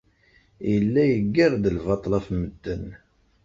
Yella yeggar-d lbaṭel ɣef medden.